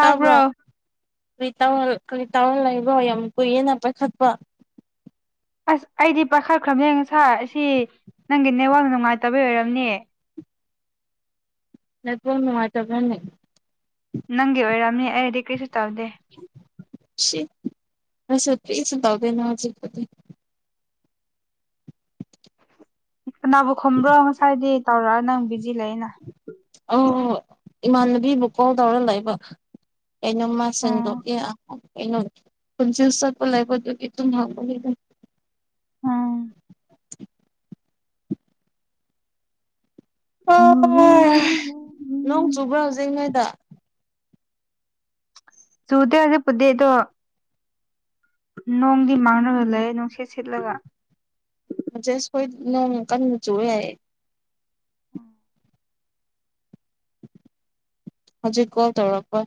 ꯇꯥꯕ꯭ꯔꯣ ꯀꯔꯤ ꯇ ꯀꯔꯤ ꯇꯧꯔ ꯂꯩꯕꯣ ꯌꯥꯝ ꯀꯨꯏꯌꯦꯦꯅ ꯄꯥꯏꯈꯠꯄ ꯑꯁ ꯑꯩꯗꯤ ꯄꯥꯈꯠꯈ꯭ꯔꯕꯅꯦ ꯁꯥꯔ ꯑꯁꯤ ꯅꯪꯒꯤ ꯅꯦꯠꯋꯥꯛ ꯅꯨꯡꯉꯥꯏꯇꯕ ꯑꯣꯏꯔꯕꯅꯦ ꯅ ꯅꯨꯅꯨꯡꯉꯥꯏꯇꯕꯅꯦ ꯅꯪꯒ ꯑꯣꯏꯣꯏꯔꯝꯅꯤ ꯑꯩꯗꯤ ꯀꯔꯤꯁ ꯇꯥꯎꯗꯦ ꯁꯤꯁ ꯄꯤꯁꯨꯗꯕ ꯅ ꯍꯧꯖꯤꯤ ꯀꯅꯥꯕꯨ ꯈꯨꯝꯕ꯭ꯔꯣ ꯉꯁꯥꯏꯗꯤ ꯇꯧꯔꯛ ꯅꯪ ꯕꯤꯖꯤ ꯂꯩꯅ ꯑ ꯏꯃꯥꯟꯅꯕꯤꯕꯨ ꯀꯣꯜ ꯇꯧꯔ ꯂꯩꯕ ꯑꯣ ꯃꯥ ꯎꯝ ꯁꯟꯗꯣꯛꯒꯦ ꯑꯩꯅ ꯄꯨꯟꯁꯤ ꯆꯠꯄ ꯂꯩꯕꯗꯨꯒꯤ ꯑꯗꯨꯨꯝ ꯍꯥꯡꯕꯅꯤꯗ ꯎꯝ ꯑꯣ ꯅꯣꯡ ꯆꯨꯕ꯭ꯔꯥ ꯍꯧꯖꯤꯛ ꯅꯣꯏꯗ ꯁꯨꯗ ꯑꯣꯏꯅꯗꯤ ꯄꯨꯗꯤꯗꯣ ꯅꯣꯡꯗꯤ ꯃꯥꯡꯒ ꯂꯩꯌꯦꯦ ꯅꯨꯡꯁꯤꯦꯠ ꯁꯤꯠꯂꯒ ꯃꯦꯁ ꯀꯣꯏ ꯅꯣꯡꯃꯀꯟ ꯋꯌꯦ ꯎꯝ ꯍꯧꯖꯤꯛ ꯀꯣ ꯇꯧꯔꯄ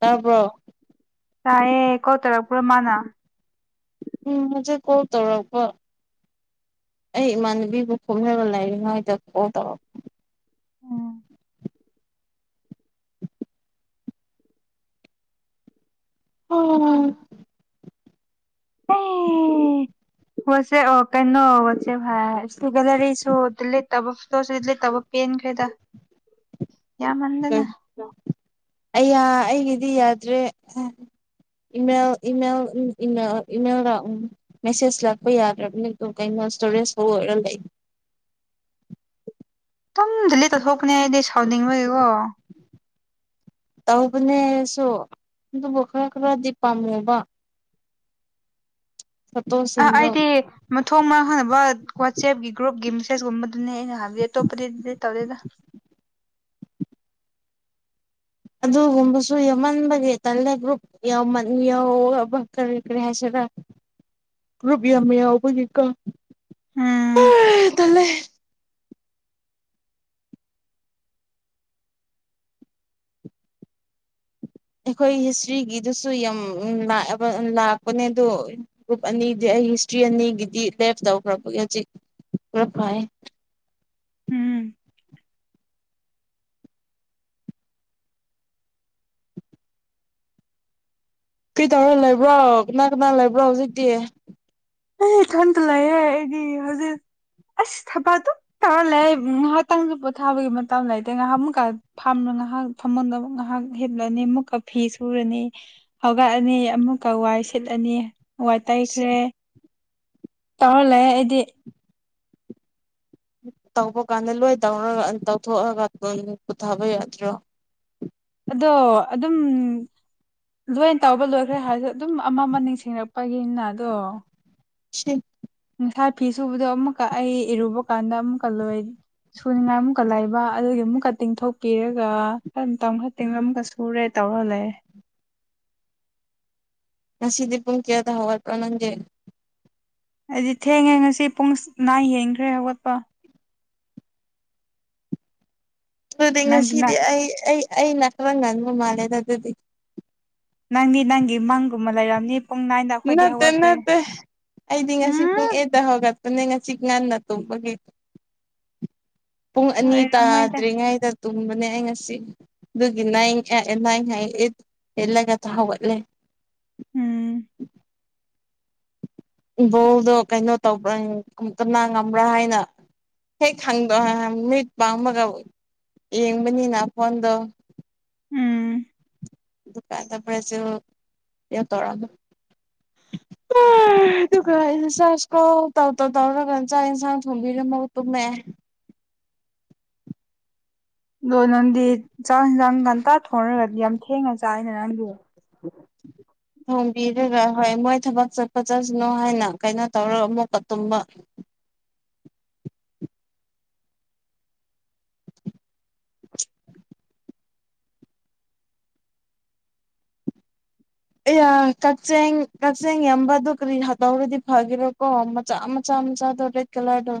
ꯇꯥꯕ꯭ꯔꯣ ꯇꯌꯦꯦ ꯀꯧ ꯇꯔ ꯄꯨꯔ ꯃꯥꯅꯥ ꯎꯝ ꯃ ꯆ ꯀꯣ ꯇꯧꯔ ꯀꯣ ꯑꯩ ꯏꯃꯥꯟꯅꯕꯤꯕꯨ ꯈꯨꯝꯅꯒ ꯂꯩꯔꯤꯉꯩꯗ ꯀꯣꯜ ꯇꯧꯔꯛꯄ ꯎꯝ ꯑꯣꯝ ꯁꯦ ꯑꯣ ꯀꯩꯅꯅꯣꯁꯦꯚꯥꯏ ꯁꯒꯂꯔꯤꯁꯨ [inaudible] ꯂꯩꯇꯕ ꯄꯦꯟꯈ꯭ꯔꯦꯗ ꯌꯥꯝꯃꯟꯗꯅ ꯑꯩꯌꯥ ꯑꯩꯒꯤꯗꯤ ꯌꯥꯗ꯭ꯔꯦ ꯏꯃꯦꯜ ꯏꯃꯦꯜ ꯏꯃꯦꯜ ꯏꯃꯦꯜ ꯂꯥꯛ ꯎꯝ ꯃꯦꯁꯦꯁ ꯂꯥꯛꯄ ꯌꯥꯗ꯭ꯔꯕꯅꯤ ꯑꯗꯨꯝ ꯀꯩꯅꯣ ꯏꯁꯇꯣꯔꯦꯖ ꯐꯨꯜ ꯑꯣꯏꯔ ꯂꯩ ꯗꯨꯝ ꯗꯤꯂꯦꯠ ꯇꯧꯊꯣꯛꯄꯅꯦ ꯑꯩꯗꯤ ꯁꯥꯎꯅꯤꯡꯕꯒꯤꯀꯣ ꯇꯧꯕꯅꯦꯁꯨ ꯑꯗꯨꯕꯨ ꯈꯔ ꯈꯔꯗꯤ ꯄꯥꯝꯃꯦꯕ ꯑ ꯐꯣꯇꯣꯁꯤꯡꯗꯣ ꯑꯩꯗꯤ ꯃꯊꯣꯡ ꯈꯪꯗꯕ ꯋꯥꯆꯦꯞꯀꯤ ꯒ꯭ꯔꯨꯞꯀꯤ ꯃꯦꯁꯦꯁ ꯀꯨꯝꯕꯗꯨꯅꯦ ꯑꯩꯅ ꯍꯥꯏꯕꯗꯤ ꯑꯇꯣꯞꯄꯗꯤ ꯗꯤꯂꯦꯠ ꯇꯧꯗꯦꯗ ꯑꯗꯨꯒꯨꯝꯕꯁꯨ ꯌꯃꯟꯕꯒꯤ ꯇꯜꯂꯦ ꯒ꯭ꯔꯨꯞ ꯌꯥꯎꯃꯟ ꯌꯎꯕ ꯀꯔꯤ ꯀꯔꯤ ꯍꯥꯏꯁꯤꯔ ꯒ꯭ꯔꯨꯞ ꯌꯥꯏ ꯌꯥꯎꯕꯀꯤꯀꯣ ꯑ ꯎꯝ ꯇꯜꯂꯦ ꯑꯩꯈꯣꯏ ꯍꯤꯁꯇ꯭ꯔꯤꯒꯤꯗꯨꯁꯨ ꯌꯥꯝ ꯂꯛꯑꯦꯕ ꯂꯥꯛꯄꯅꯦ ꯑꯗꯨ ꯒ꯭ꯔꯨꯞ ꯑꯅꯤꯗꯤ ꯑꯩ ꯍꯤꯁꯇ꯭ꯔꯤ ꯑꯅꯤꯒꯤꯗꯤ ꯂꯦꯞ ꯇꯧꯈ꯭ꯔꯕꯒꯤ ꯍꯧꯖꯤꯛ ꯇꯔ ꯐꯩꯌꯦ ꯎꯝ ꯀ꯭ꯔꯤ ꯇꯧꯔ ꯂꯩꯕ꯭ꯔꯣ ꯀꯅꯥ ꯀꯅꯥ ꯂꯩꯕ꯭ꯔꯣ ꯍꯧꯖꯤꯛꯇꯤ ꯑꯩ ꯏꯊꯟꯇ ꯂꯩꯌꯦ ꯑꯩꯗꯤ ꯍꯖꯤꯛ ꯑꯁ ꯊꯕꯛ ꯗꯨꯝ ꯇꯧꯔꯥ ꯂꯩ ꯉꯥꯏꯍꯥꯛꯇꯪꯖꯨ ꯄꯣꯊꯥꯕꯒꯤ ꯃꯇꯝ ꯂꯩꯇꯦ ꯉꯍꯥꯟꯃꯨꯛꯀ ꯐꯝꯂ ꯉꯍꯥꯛ ꯐꯃꯟꯗꯕ ꯉꯏꯍꯥꯛ ꯍꯤꯞꯂꯅꯤ ꯃꯨꯛꯀ ꯐꯤ ꯁꯨꯔꯅꯤ ꯍꯧꯒꯠꯂꯅꯤ ꯑꯃꯨꯛꯀ ꯋꯥꯏ ꯁꯤꯠꯂꯅꯤ ꯋꯥꯏ ꯇꯩꯈ꯭ꯔꯦ ꯇꯧꯔꯥ ꯂꯩꯌꯦ ꯑꯩꯗꯤ ꯇꯧꯕ ꯀꯥꯟꯗ ꯂꯣꯏ ꯇꯧꯔꯒ ꯇꯧꯊꯣꯛꯑꯒ ꯑꯗꯨꯝ ꯄꯨꯊꯥꯕ ꯌꯥꯗ꯭ꯔꯣ ꯑꯗꯣ ꯑꯗꯨꯝ ꯂꯣꯏꯅ ꯇꯧꯕ ꯂꯣꯏꯈ꯭ꯔꯦ ꯍꯥꯏꯖꯨ ꯑꯗꯨꯝ ꯑꯃ ꯑꯃ ꯅꯤꯡꯁꯤꯡꯉꯛꯄꯒꯤꯅ ꯑꯗꯣ ꯁꯤꯝ ꯉꯁꯥꯏ ꯐꯤ ꯁꯨꯕꯗꯣ ꯑꯃꯨꯛꯀ ꯑꯩ ꯏꯔꯨꯕ ꯀꯥꯟꯗ ꯑꯃꯨꯛꯀ ꯂꯣꯏ ꯁꯨꯅꯤꯡꯉꯥꯏ ꯑꯃꯨꯛꯀ ꯂꯩꯕ ꯑꯗꯨꯒꯤ ꯑꯃꯨꯛꯀ ꯇꯤꯡꯊꯣꯛꯄꯤꯔꯒ ꯃꯇꯝ ꯈꯔ ꯇꯤꯡꯉꯝꯕꯁꯨ ꯄꯨꯔꯦ ꯇꯧꯔ ꯂꯩꯌꯦ ꯉꯁꯤꯗꯤ ꯄꯨꯡ ꯀꯌꯥꯗ ꯍꯧꯒꯠꯄ꯭ꯔ ꯅꯪꯗꯤ ꯑꯨꯗꯤ ꯊꯦꯡꯉꯦ ꯉꯁꯤ ꯄꯨꯡ ꯅꯥꯏꯟ ꯍꯦꯟꯈ꯭ꯔꯦ ꯍꯧꯒꯠꯄ ꯑꯗꯨꯗꯤ ꯅꯪꯗꯤ ꯉꯁꯤꯗꯤ ꯅꯪ ꯑꯩ ꯑꯩ ꯑꯩꯅ ꯈꯔ ꯉꯟꯕ ꯃꯥꯜꯂꯦꯗ ꯑꯗꯨꯗꯤ ꯅꯪꯗꯤ ꯅꯪꯒꯤ ꯃꯪꯒꯨꯝꯕ ꯂꯩꯔꯝꯅꯤ ꯄꯨꯡ ꯅꯥꯏꯟꯗ ꯑꯩꯈꯣꯏꯗꯤ ꯅꯠꯇꯦ ꯍꯧꯒꯠꯈ꯭ꯔꯦ ꯅꯠꯇꯦ ꯑꯩꯗꯤ ꯉꯁꯤ ꯄꯨꯡ ꯎꯝ ꯑꯦꯠꯇ ꯍꯧꯒꯠꯄꯅꯦ ꯉꯁꯤ ꯉꯟꯅ ꯇꯨꯝꯕꯒꯤ ꯄꯨꯡ ꯑꯅꯤ ꯑꯣꯏꯔꯝꯃꯣꯏꯗ ꯇꯥꯗ꯭ꯔꯤꯉꯩꯗ ꯇꯨꯝꯕꯅꯦ ꯑꯩ ꯉꯁꯤ ꯑꯗꯨꯒꯤ ꯅꯥꯏꯟ ꯑꯦ ꯅꯥꯏꯟ ꯍꯥꯏꯌꯦ ꯑꯦꯠ ꯍꯦꯜꯂꯒ ꯍꯧꯒꯠꯂꯦ ꯎꯝ ꯕꯣꯜꯗꯣ ꯀꯩꯅꯣ ꯇꯧꯕ꯭ꯔꯥ ꯀꯅꯥ ꯉꯝꯕ꯭ꯔꯥ ꯍꯥꯏꯅ ꯍꯦꯛ ꯈꯪꯗꯣ ꯃꯤꯠ ꯄꯥꯡꯕꯒ ꯌꯦꯡꯕꯅꯤꯅ ꯐꯣꯟꯗꯣ ꯎꯝ ꯑꯗꯨ ꯀꯥꯟꯗ ꯕꯔꯖꯤꯜ ꯀꯩꯅꯣ ꯇꯧꯔꯝꯃꯦ ꯑ ꯑꯗꯨꯒ ꯑꯩꯖꯦ ꯆꯔꯁꯀꯣ ꯇꯧ ꯇꯧ ꯇꯧꯔꯒ ꯆꯥꯛ ꯏꯟꯁꯥꯡ ꯊꯣꯝꯕꯤꯔꯝꯃꯒ ꯇꯨꯝꯃꯦ ꯑꯗꯣ ꯅꯪꯗꯤ ꯆꯥꯛ ꯌꯦꯟꯁꯥꯡ ꯉꯟꯇꯥ ꯊꯣꯡꯔꯒ ꯌꯥꯝ ꯊꯦꯡꯅ ꯆꯥꯏꯅꯦ ꯅꯪꯗꯤ [unintelligible] ꯊꯣꯡꯕꯤꯔꯒ ꯍꯣꯏ ꯃꯣꯏ ꯊꯕꯛ ꯆꯠꯄ ꯆꯠꯁꯅꯨ ꯍꯥꯏꯅ ꯀꯩꯅꯣ ꯇꯧꯔꯒ ꯑꯃꯨꯛꯀ ꯇꯨꯝꯕ ꯑꯌꯥ ꯀꯛꯆꯦꯡ ꯀꯛꯆꯦꯡ ꯌꯝꯕꯗꯨ ꯀꯔꯤ ꯇꯧꯔꯗꯤ ꯐꯒꯦꯔꯥꯀꯣ ꯃꯆꯥ ꯃꯆꯥ ꯃꯆꯥꯗꯨ ꯔꯦꯠ ꯀꯂꯔꯗꯣ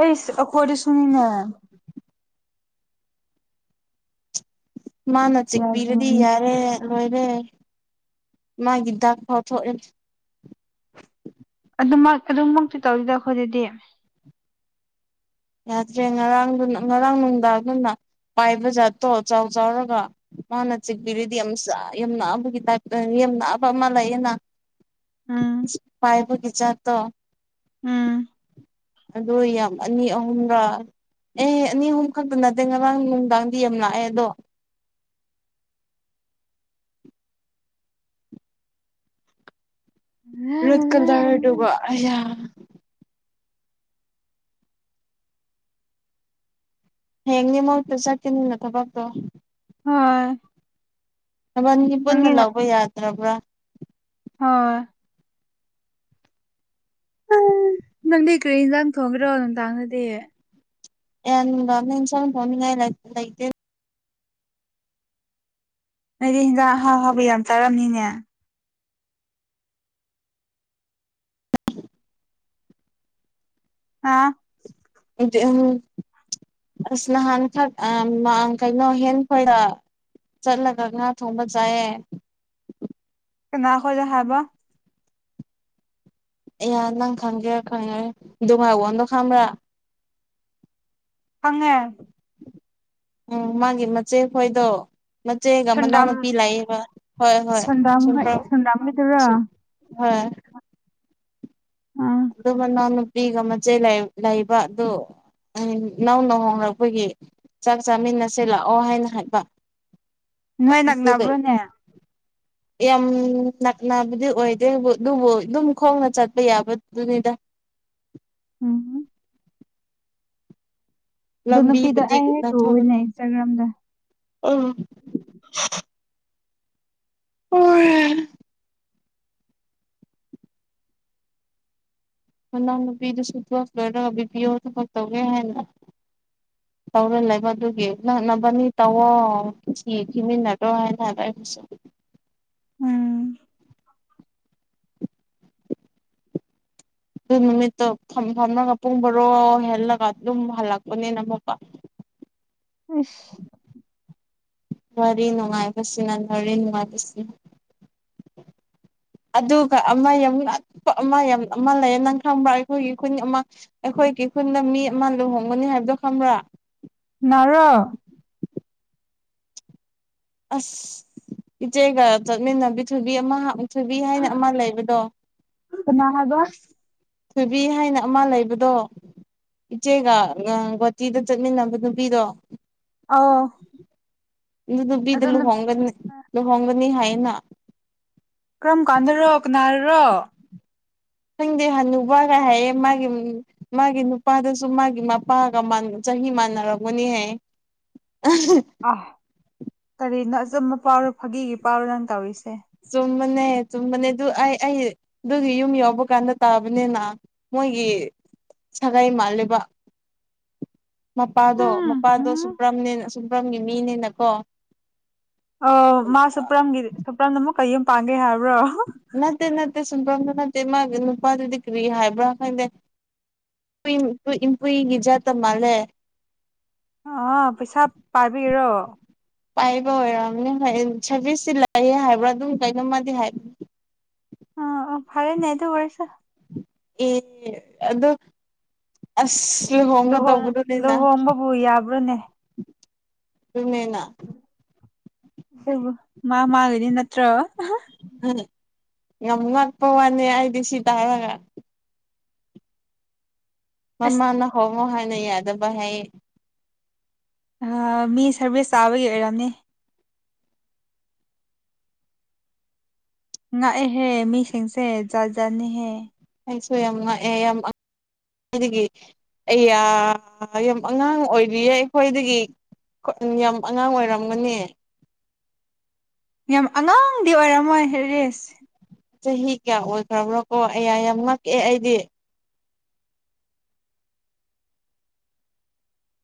ꯑꯩꯁ ꯑꯩꯈꯣꯏꯗꯁꯨꯅꯤꯅ ꯃꯥꯅ ꯆꯤꯛꯄꯤꯔꯗꯤ ꯌꯥꯗꯕꯅꯦ ꯌꯥꯔꯦ ꯂꯣꯏꯔꯦ ꯃꯥꯒꯤ ꯗꯥꯛ ꯐꯥꯎ ꯊꯣꯛꯑꯦ ꯑꯗꯨꯃꯛ ꯑꯗꯨꯃꯛꯇꯤ ꯇꯧꯗꯦꯗ ꯑꯩꯈꯣꯏꯗꯗꯤ ꯌꯥꯗ꯭ꯔꯦ ꯉꯔꯥꯡꯗꯨꯅ ꯉꯔꯥꯡ ꯅꯨꯡꯗꯥꯡꯗꯨꯅ ꯄꯥꯏꯕ ꯖꯥꯠꯇꯣ ꯆꯥꯎ ꯆꯥꯎꯔꯒ ꯃꯥꯅ ꯆꯤꯛꯕꯤꯔꯤꯗꯤ ꯌꯥꯝ ꯌꯅꯛꯑꯕꯒꯤ ꯇꯥꯏꯞꯇ ꯌ ꯅꯛꯑꯕ ꯑꯃ ꯂꯩꯌꯦꯅ ꯎꯝ ꯄꯥꯏꯕꯒꯆ ꯇ ꯎꯝ ꯑꯗꯨ ꯌꯥꯝ ꯑꯅꯤ ꯑꯍꯨꯝꯔꯥ ꯑꯦ ꯑꯅꯤ ꯑꯍꯨꯝ ꯈꯛꯇ ꯅꯠꯇꯦ ꯉꯔꯥꯡ ꯅꯨꯡꯗꯥꯡꯗꯤ ꯌꯥꯝ ꯂꯥꯛꯑꯦ ꯑꯗꯣ ꯎꯝ ꯔꯦꯠ ꯀꯂꯔꯗꯨꯒꯣ ꯑꯌꯥ ꯍꯦꯡꯅꯤ ꯃꯍꯠꯇ ꯆꯠꯀꯅꯤꯅ ꯊꯕꯛꯇꯣ ꯍꯣꯏ ꯊꯕꯥꯟꯒꯤ ꯄꯨꯟꯅ ꯅꯪꯗꯤ ꯂꯧꯕ ꯌꯥꯗ꯭ꯔꯕ꯭ꯔꯥ ꯍꯣꯏ ꯅꯪꯗꯤ ꯀꯔꯤ ꯏꯟꯖꯥꯡ ꯊꯣꯡꯈ꯭ꯔꯣ ꯅꯨꯡꯗꯥꯡꯗꯗꯤ ꯌꯥꯝꯅꯦ ꯏꯁ ꯐꯃꯤ ꯉ ꯂ ꯂ ꯅꯗꯤ ꯍꯤꯟꯖꯥꯡ ꯑꯥꯎ ꯍꯥꯎꯕ ꯌꯥꯝ ꯆꯥꯔꯝꯅꯤꯅꯦ ꯑꯥ ꯑꯝ ꯁꯅꯍꯥꯟ ꯊ ꯑꯪ ꯀꯜꯅꯣ ꯍꯟ ꯐ ꯆꯠꯂꯒ ꯉꯅꯥ ꯊꯣꯡꯝꯕ ꯆꯑꯦ ꯅꯥꯈꯣꯖ ꯍꯥꯕ ꯑꯦ ꯅꯪ ꯈꯪꯒꯦꯔ ꯈꯪꯉꯣꯏꯔ ꯗꯨꯡꯉꯥꯏꯋꯟꯗꯣ ꯈꯪꯕ꯭ꯔꯥ [inaudible] ꯈꯪꯉꯦ ꯎꯝ ꯃꯥꯒꯤ ꯃꯆꯦ ꯈꯣꯏꯗꯣ ꯃꯆꯦꯒ ꯁꯟꯗꯥꯝ ꯃꯅꯥꯎꯅꯨꯄꯤ ꯂꯩꯌꯦꯕꯕ ꯍꯣꯏ ꯍꯣꯏ ꯁꯟꯗꯥꯝ ꯁꯨꯝ ꯍꯣꯏ ꯄ꯭ꯔꯣ ꯁꯟꯗꯥꯝ ꯍꯣꯏꯗꯨꯔꯣ ꯁꯨꯝ ꯍꯣꯏ ꯑꯥ ꯑꯗꯨ ꯃꯅꯥꯎ ꯅꯨꯞ ꯅꯨ ꯄꯤꯒ ꯃꯆꯩ ꯂꯩꯕ ꯑꯗꯨ ꯅꯧꯅ ꯍꯣꯡꯂꯛꯄꯒꯤ ꯆꯥꯛ ꯆꯥꯃꯤꯟꯅꯁꯤ ꯂꯥꯛꯑꯣ ꯍꯥꯏꯅ ꯍꯥꯏꯕ ꯅꯣꯏ ꯑꯗꯨꯒ ꯅꯛꯅꯕ꯭ꯔꯣꯅꯦ ꯌꯥꯝ ꯅꯛꯅꯕꯗꯤ ꯑꯣꯏꯗꯦꯕꯨ ꯑꯗꯨꯕꯨ ꯑꯗꯨꯝ ꯈꯣꯡꯅ ꯆꯠꯄ ꯌꯥꯕꯗꯨꯅꯤꯗ ꯎꯝ ꯑꯗꯨ ꯅꯨꯄꯤꯗꯣ ꯂꯝꯕꯤꯕꯨꯗꯤ ꯑꯩ ꯍꯦꯛ ꯅꯊꯣꯒꯅꯤ ꯎꯋꯦꯅꯦ ꯏꯟꯁꯇꯥꯒ꯭ꯔꯥꯝꯗ ꯑꯥ [unintelligible] ꯃꯅꯥꯎ ꯅꯨꯄꯤꯗꯨꯁꯨ ꯀꯣꯔ꯭ꯁ ꯂꯣꯏꯔꯒ ꯕꯤꯄꯤꯌꯣ ꯊꯕꯛ ꯇꯧꯒꯦ ꯍꯥꯏꯅ ꯇꯧꯔ ꯂꯩꯕ ꯑꯗꯨꯒꯤ ꯅꯛꯅꯕꯅꯤ ꯇꯧꯋꯣ ꯁꯤ ꯊꯤꯃꯤꯟꯅꯗ꯭ꯔꯣ ꯍꯥꯏꯅ ꯑꯩꯩꯅꯁꯨ ꯎꯝ ꯑꯗꯨ ꯅꯨꯃꯤꯠꯇꯣ ꯐꯝ ꯐꯝꯂꯒ ꯄꯨꯡ ꯕꯔꯣ ꯍꯦꯜꯂꯒ ꯑꯗꯨꯝ ꯍꯜꯂꯛꯄꯅꯤꯕ ꯏꯁ ꯋꯥꯔꯤ ꯅꯨꯡꯉꯥꯏꯕꯁꯤꯅ ꯋꯥꯔꯤ ꯅꯨꯡꯉꯥꯏꯕꯁꯤꯅ ꯑꯗꯨꯒ ꯑꯃ ꯌꯥꯝ ꯉꯥꯛꯄ ꯑꯃ ꯌꯥꯝ ꯑꯃ ꯂꯩꯌꯦ ꯅꯪ ꯈꯪꯕ ꯑꯩꯈꯣꯏꯒꯤ ꯈꯨꯟ ꯑꯃ ꯑꯩꯈꯣꯏꯒꯤ ꯈꯨꯟꯗ ꯃꯤ ꯑꯃ ꯂꯨꯍꯣꯡꯒꯅꯤ ꯍꯥꯏꯕꯗꯣ ꯈꯪꯕ꯭ꯔꯥ ꯅꯥꯔꯣ ꯑꯁ ꯏꯆꯦꯒ ꯆꯠꯃꯤꯟꯅꯕꯤ ꯊꯨꯕꯤ ꯑꯃ ꯊꯨꯕꯤ ꯍꯥꯏꯅ ꯑꯃ ꯂꯩꯕꯗꯣ ꯀꯅꯥ ꯍꯥꯏꯕ ꯊꯣꯏꯕꯤ ꯍꯥꯏꯅ ꯑꯃ ꯂꯩꯕꯗꯣ ꯏꯆꯦꯒ ꯒꯨꯍꯥꯇꯤꯗ ꯆꯠꯃꯤꯟꯅꯕ ꯅꯨꯄꯤꯗꯣ ꯑꯥꯎ ꯑꯗꯨ ꯅꯨꯄꯤꯗꯣ ꯂꯨꯍꯣꯡꯒꯅꯤ ꯑ ꯂꯨꯍꯣꯡꯒꯅꯤ ꯍꯥꯏꯅ ꯀꯔꯝ ꯀꯥꯟꯗꯔꯣ ꯀꯅꯥꯔꯔꯣ ꯈꯪꯗꯦ ꯍꯅꯨꯕ ꯀꯩ ꯍꯥꯏꯌꯦ ꯃꯥꯒꯤ ꯃꯥꯒꯤ ꯅꯨꯄꯥꯗꯨꯁꯨ ꯃꯥꯒꯤ ꯃꯄꯥꯒ ꯆꯍꯤ ꯃꯥꯟꯅꯔꯝꯒꯅꯦ ꯍꯥꯏꯌꯦ [unintelligible] ꯑꯥ ꯀꯔꯤꯅꯣ ꯑꯆꯨꯝꯕ ꯄꯥꯎꯔꯣ ꯐꯥꯒꯤꯒꯤ ꯄꯥꯎꯔꯣ ꯅꯪ ꯇꯧꯔꯤꯁꯦ ꯆꯨꯝꯕꯅꯦ ꯆꯨꯝꯕꯅꯦ ꯑꯗꯨ ꯑꯩ ꯑꯩ ꯑꯗꯨꯒꯤ ꯌꯨꯝ ꯌꯥꯎꯕ ꯀꯥꯟꯗ ꯇꯥꯕꯅꯤꯅ ꯃꯣꯏꯒꯤ ꯁꯒꯩ ꯃꯥꯜꯂꯦꯕ ꯃꯄꯥꯗꯣ ꯃꯄꯥꯗꯣ ꯁꯨꯕ꯭ꯔꯝꯅꯦꯅ ꯁꯨꯕ꯭ꯔꯝꯒꯤ ꯃꯤꯅꯦꯅꯀꯣ [inaudible] ꯑꯣ ꯃꯥ ꯁꯨꯄ꯭ꯔꯝꯒꯤꯗꯤ ꯁꯨꯄ꯭ꯔꯝꯅ ꯑꯃꯨꯛ ꯌꯨꯝ ꯄꯥꯟꯒꯦ ꯍꯥꯏꯕ꯭ꯔꯣ ꯅꯠꯇꯦ ꯅꯠꯇꯦ ꯁꯨꯝꯐꯝꯗꯨ ꯅꯠꯇꯦ ꯃꯥꯒꯤ ꯅꯨꯄꯥꯗꯨꯗꯤ ꯀ꯭ꯔꯤ ꯍꯥꯏꯕ꯭ꯔꯥ ꯈꯪꯗꯦ [unintelligible] ꯄꯨꯏ ꯖꯥꯠꯇ ꯃꯥꯂꯦ ꯑꯣ ꯄꯩꯁꯥ ꯄꯥꯏꯕꯒꯤꯔꯣ ꯄꯥꯏꯕ ꯑꯣꯏꯔꯝꯅꯤ ꯍꯣꯏ ꯁꯔꯚꯤꯁꯇꯤ ꯂꯩꯑꯦ ꯍꯥꯏꯕ꯭ꯔꯥ ꯑꯗꯨꯝ ꯀꯩꯅꯝꯃꯗꯤ ꯍꯥꯏꯕ ꯑꯣ ꯑꯣ ꯐꯔꯦꯅꯦ ꯑꯗꯨ ꯑꯣꯏꯔꯁꯨ ꯑꯦ ꯑꯗꯨ ꯑꯁ ꯂꯨꯍꯣꯡꯒ ꯇꯧꯕꯗꯨꯅꯤꯅ ꯑꯣ ꯌꯥꯕ꯭ꯔꯣꯅꯦ ꯑꯗꯨꯅꯦꯅ ꯃꯥ ꯃꯥꯒꯤꯅꯤ ꯅꯠꯇ꯭ꯔꯣ [unintelligible] ꯌꯥꯝ ꯉꯥꯛꯄ ꯋꯥꯅꯦ ꯑꯩꯗꯤ ꯁꯤ ꯇꯥꯔꯒ ꯑꯁ ꯃꯃꯥꯅ ꯍꯣꯡꯉꯣ ꯍꯥꯏꯅ ꯌꯥꯗꯕ ꯍꯥꯏ ꯑꯥ ꯃꯤ ꯁꯔꯚꯤꯁ ꯆꯥꯕꯒꯤ ꯑꯣꯏꯔꯝꯅꯤ ꯉꯥꯛꯑꯦꯍꯦ ꯃꯤꯁꯤꯡꯁꯦ ꯖꯥ ꯖꯥꯠꯅꯤꯍꯦ ꯁꯨ ꯌꯥꯝ ꯉꯛꯑꯦ ꯑꯗꯨꯗꯒꯤ ꯑꯩꯌꯥ ꯌꯥꯝ ꯑꯉꯥꯡ ꯑꯣꯏꯔꯤꯌꯦ ꯑꯩꯈꯣꯏꯗꯒꯤ ꯌꯥꯝ ꯑꯉꯥꯡ ꯑꯣꯏꯔꯝꯒꯅꯤ ꯌꯥꯝ ꯑꯉꯥꯡꯗꯤ ꯑꯣꯏꯔꯝꯃꯣꯏ ꯔꯦꯁ ꯆꯍꯤ ꯀꯌꯥ ꯑꯣꯏꯈ꯭ꯔꯕ꯭ꯔꯣ ꯀꯣ ꯑꯌꯥ ꯌꯥꯝ ꯉꯛꯑꯦ ꯑꯩꯗꯤ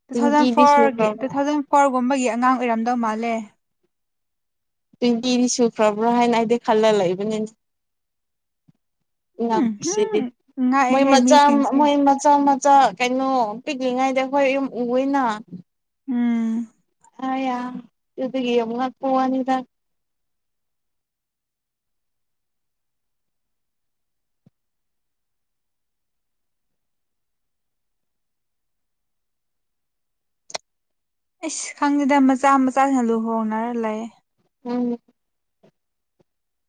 ꯇꯨ ꯊꯥꯎꯖꯟ ꯇ꯭ꯋꯦꯟꯇꯤꯗꯤ ꯐꯣꯔꯒꯤ ꯇꯨ ꯁꯨꯈ꯭ꯔꯕ꯭ꯔꯥ ꯊꯥꯎꯖꯟ ꯐꯣꯔꯒꯨꯝꯕꯒꯤ ꯑꯉꯥꯡ ꯑꯣꯏꯔꯝꯗꯧ ꯃꯥꯜꯂꯦ ꯇ꯭ꯋꯦꯟꯇꯤꯗꯤ ꯁꯨꯈ꯭ꯔꯕ꯭ꯔꯥ ꯍꯥꯏꯅ ꯑꯩꯗꯤ ꯈꯜꯂ ꯂꯩꯥꯕꯅꯤꯅꯦ ꯅꯪꯁꯤꯗꯤ ꯎꯝꯍꯨꯝ ꯃꯣꯏ ꯉꯥꯛꯑꯦꯍꯦ ꯃꯆꯥ ꯃꯤꯁꯤꯡꯁꯦ ꯃꯣꯏ ꯃꯆꯥ ꯀꯩꯅꯣ ꯄꯤꯛꯂꯤꯉꯩꯗ ꯈꯣꯏ ꯌꯨꯝ ꯎꯏꯅ ꯎꯝ ꯑ ꯌꯥ ꯄꯥꯋꯥꯅꯤꯗ ꯑꯩꯁ ꯈꯪꯗꯦꯗ ꯃꯆꯥ ꯃꯆꯥꯁꯤꯡꯅ ꯂꯨꯍꯣꯡꯅꯔ ꯂꯩ ꯎꯝ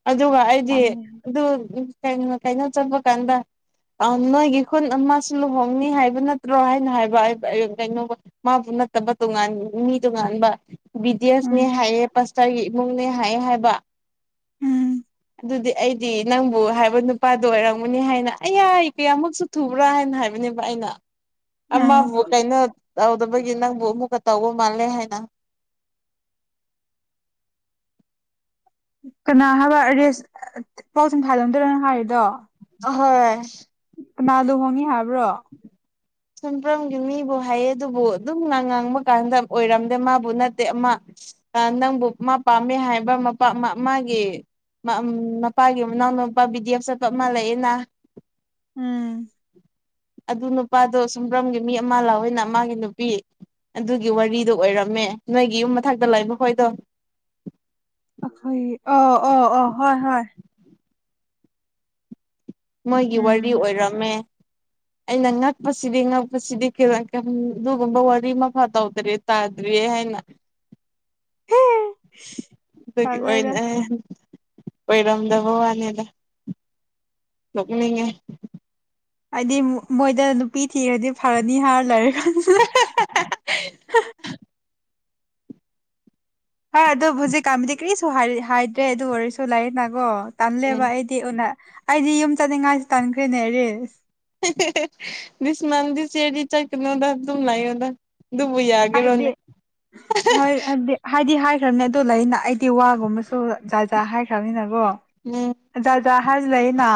ꯑꯗꯨꯒ ꯑꯩꯗꯤ ꯇꯜꯂꯦꯍꯦ ꯑꯗꯨ ꯀꯩꯅꯣ ꯆꯠꯄ ꯀꯥꯟꯗ ꯑꯪ ꯅꯣꯏꯒꯤ ꯈꯨꯟ ꯑꯃꯁꯨ ꯂꯨꯍꯣꯡꯅꯤ ꯍꯥꯏꯕ ꯅꯠꯇ꯭ꯔꯣ ꯍꯥꯏꯅ ꯍꯥꯏꯕ ꯀꯩꯅꯣ ꯃꯥ ꯄꯨꯟꯅ ꯅꯠꯇꯕ ꯇꯨꯡ ꯉꯥꯟ ꯃꯤ ꯇꯣꯒꯥꯟꯕ ꯕꯤꯗꯤ ꯑꯦꯁꯅꯦ ꯎꯝ ꯍꯥꯏꯑꯦ ꯄꯥꯁꯇꯔꯒꯤ ꯏꯃꯨꯡꯅꯦ ꯍꯥꯏꯑꯦ ꯍꯥꯏꯕ ꯎꯝ ꯑꯗꯨꯗꯤ ꯑꯩꯗꯤ ꯅꯪꯕꯨ ꯍꯥꯏꯕ ꯅꯨꯄꯥꯗꯣ ꯑꯣꯏꯔꯝꯒꯅꯤ ꯍꯥꯏꯅ ꯑꯌꯥ ꯑꯧꯀꯌꯥꯃꯨꯛꯁꯨ ꯊꯨꯕ꯭ꯔꯥ ꯍꯥꯏꯅ ꯍꯥꯏꯕꯅꯦꯕ ꯑꯩꯅ ꯎꯝ ꯑꯃꯕꯨ ꯀꯩꯅꯣ ꯇꯧꯗꯕꯒꯤ ꯅꯪꯕꯨ ꯑꯃꯨꯛꯀ ꯇꯧꯕ ꯃꯥꯥꯟꯂꯦ ꯍꯥꯏꯅ ꯀꯅꯥ ꯍꯥꯏꯕ ꯑꯥꯏꯔꯦꯁ ꯄꯥꯎ ꯆꯨꯝ ꯐꯥꯂꯝꯗ꯭ꯔꯅ ꯍꯥꯏꯔꯤꯗꯣ ꯍꯣꯏ ꯀꯅꯥꯗꯣ ꯍꯣꯡꯉꯤ ꯍꯥꯏꯕ꯭ꯔꯣ ꯁꯝꯄ꯭ꯔꯝꯒꯤ ꯃꯤꯕꯨ ꯍꯥꯏꯌꯦ ꯑꯗꯨꯕꯨ ꯑꯗꯨꯝ ꯉ ꯉꯥꯡꯕ ꯀꯥꯟꯗ ꯑꯣꯏꯔꯝꯗꯦ ꯃꯥꯕꯨ ꯅꯠꯇꯦ ꯑꯃ ꯅꯪꯕꯨ ꯃꯥ ꯄꯥꯝꯃꯦ ꯍꯥꯏꯕ ꯃ ꯃꯥꯒꯤ ꯃꯄꯥꯒꯤ ꯃꯅꯥꯎꯅ ꯅꯨꯄꯥ ꯚꯤꯗꯤ ꯑꯦꯐ ꯆꯠꯄ ꯑꯃ ꯂꯩꯑꯦꯅ ꯎꯝ ꯑꯗꯨ ꯅꯨꯄꯥꯗꯣ ꯁꯨꯝꯕ꯭ꯔꯝꯒꯤ ꯃꯤ ꯑꯃ ꯂꯥꯛꯑꯣꯏꯅ ꯃꯥꯒꯤ ꯅꯨꯄꯤ ꯑꯗꯨꯒꯤ ꯋꯥꯔꯤꯗꯣ ꯑꯣꯏꯔꯝꯃꯦ ꯅꯣꯏꯒꯤ ꯌꯨꯝ ꯃꯊꯛꯇ ꯂꯩꯕ ꯍꯣꯏꯗꯣ ꯑꯩꯈꯣꯏ ꯑꯣ ꯑꯣ ꯑꯣ ꯍꯣꯏ ꯍꯣꯏ ꯃꯣꯏꯒꯤ ꯎꯝ ꯋꯥꯔꯤ ꯑꯣꯏꯔꯝꯃꯦ ꯑꯩꯅ ꯉꯛꯄꯁꯤꯗꯤ ꯉꯛꯄꯁꯤꯗꯤ [unintelligible] ꯑꯗꯨꯒꯨꯝꯕ ꯋꯥꯔꯤ ꯑꯃꯐꯥꯎ ꯇꯧꯗ꯭ꯔꯤ ꯇꯥꯗ꯭ꯔꯤꯌꯦ ꯍꯥꯏꯅ [inaudible] ꯑꯗꯨꯒꯤ ꯇꯜꯂꯦꯗ ꯑꯣꯏꯅꯦ ꯑꯣꯏꯔꯝꯗꯕ ꯋꯥꯅꯤꯗ ꯅꯣꯛꯅꯤꯡꯉꯦ ꯍꯥꯏꯗꯤ ꯃꯣꯏꯗ ꯅꯨꯄꯤ ꯊꯤꯔꯗꯤ ꯐꯔꯅꯤ ꯍꯥꯏꯔ ꯂꯩꯔꯀꯥꯟꯁꯤꯗ [unintelligible] ꯍ ꯑꯗꯨ ꯍꯧꯖꯤꯛꯀꯥꯟꯕꯨꯗꯤ ꯀꯔꯤꯁꯨ ꯍꯥꯏꯗ꯭ꯔꯦ ꯑꯗꯨ ꯑꯣꯏꯔꯁꯨ [unintelligible] ꯅꯒꯣ ꯎꯝ ꯇꯜꯂꯦꯕ ꯑꯩ ꯢ ꯎꯅ ꯑꯩꯗꯤ ꯌꯨꯝ ꯆꯠꯅꯤꯡꯉꯥꯏ ꯇꯝꯈ꯭ꯔꯦꯅꯦ ꯔꯤꯜꯁ [unintelligible] ꯗꯤꯁ ꯃꯟꯗꯤ ꯆꯦꯗꯤ ꯆꯠꯀꯅꯣꯗ ꯗꯨꯝ ꯂꯩꯌꯣꯗ ꯑꯗꯨꯕꯨ ꯍꯥꯏꯕꯗꯤ ꯌꯥꯒꯦꯔꯣꯅꯦ ꯍꯣꯏ ꯍꯥꯏꯕꯗꯤ ꯍꯥꯏꯗꯤ ꯍꯥꯏꯈ꯭ꯔꯕꯅꯤ ꯑꯗꯨ ꯂꯩꯅ ꯑꯩꯗꯤ ꯋꯥꯒꯨꯝꯕꯁꯨ ꯖꯥꯠꯖꯥ ꯍꯥꯏꯈ꯭ꯔꯕꯅꯤꯅꯀꯣ ꯎꯝ ꯖꯥꯠ ꯖꯥꯠ ꯍꯥꯏꯗꯤ ꯂꯩꯗꯅ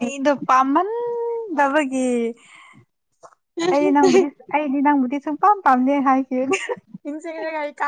ꯑꯩꯗꯣ ꯄꯥꯃꯟꯗꯕꯒꯤ ꯑꯩ ꯅꯪꯕꯨꯗꯤ ꯑꯩꯗꯤ ꯅꯪꯕꯨꯗꯤ ꯁꯨꯡꯄꯥꯝ ꯄꯥꯝꯗꯦ ꯍꯥꯏꯈꯤ [unintelligible]